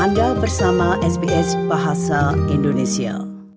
anda bersama sbs bahasa indonesia